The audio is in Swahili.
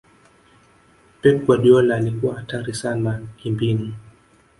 pep guardiola alikuwa hatari sana kimbinu